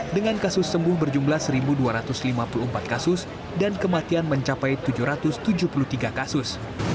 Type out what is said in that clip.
dengan kasus sembuh berjumlah satu dua ratus lima puluh empat kasus dan kematian mencapai tujuh ratus tujuh puluh tiga kasus